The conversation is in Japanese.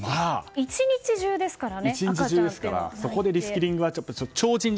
１日中ですからね。